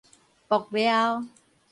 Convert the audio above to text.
爆料